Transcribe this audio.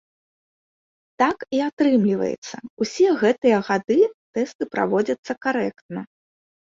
Так і атрымліваецца, усе гэтыя гады тэсты праводзяцца карэктна.